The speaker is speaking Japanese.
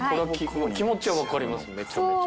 気持ちはわかりますめちゃめちゃ。